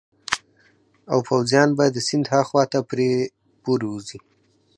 او پوځیان به د سیند هاخوا ته پرې پورې ووزي.